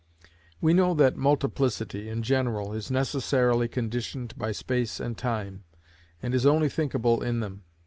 We know that multiplicity in general is necessarily conditioned by space and time, and is only thinkable in them.